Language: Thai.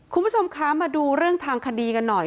คุณผู้ชมคะมาดูเรื่องทางคดีกันหน่อย